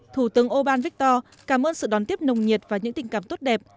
thủ tướng âu ban victor cảm ơn sự đón tiếp nồng nhiệt và những tình cảm tốt đẹp